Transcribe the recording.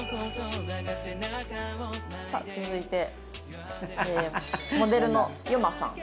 さあ続いてモデルの遊馬さん。